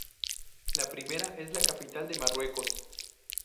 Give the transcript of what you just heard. La primera es la capital de Marruecos.